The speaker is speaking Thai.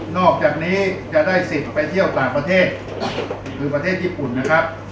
อกจากนี้จะได้สิทธิ์ไปเที่ยวต่างประเทศคือประเทศญี่ปุ่นนะครับ